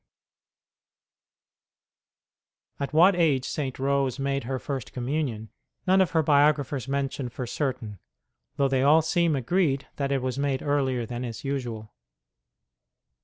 CATHERINE OF SIENA 5Q At what age St. Rose made her first Com munion, none of her biographers mention for certain, though they all seem agreed that it was made earlier than is usual.